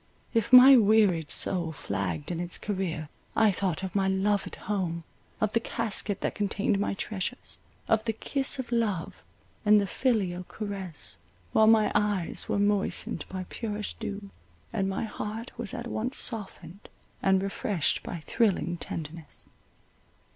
If my wearied soul flagged in its career, I thought of my loved home, of the casket that contained my treasures, of the kiss of love and the filial caress, while my eyes were moistened by purest dew, and my heart was at once softened and refreshed by thrilling tenderness.